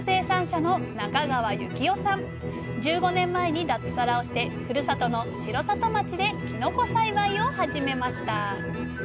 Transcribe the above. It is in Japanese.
１５年前に脱サラをしてふるさとの城里町できのこ栽培を始めました。